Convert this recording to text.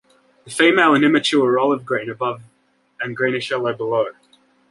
The female and immature are olive green above and greenish yellow below.